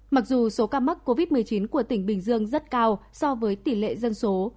mặc dù số ca mắc covid một mươi chín của tỉnh bình dương rất cao so với tỷ lệ dân số